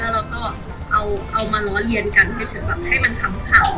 แล้วเราก็เอาเอามาล้อเรียนกันเพื่อเฉยแบบให้มันทำขาว